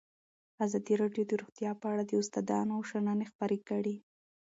ازادي راډیو د روغتیا په اړه د استادانو شننې خپرې کړي.